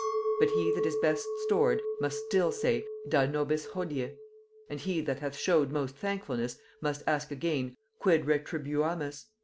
But he that is best stored, must still say da nobis hodie; and he that hath showed most thankfulness, must ask again, Quid retribuamus?